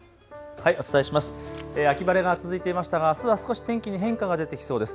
秋晴れが続いていましたがあすは少し天気に変化が出てきそうです。